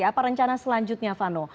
apa rencana selanjutnya vano